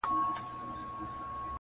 صبر ته د سترګو مي مُغان راسره وژړل٫